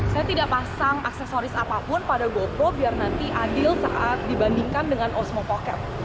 saya tidak pasang aksesoris apapun pada godro biar nanti adil saat dibandingkan dengan osmo pocket